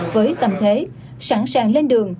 với tầm thế sẵn sàng lên đường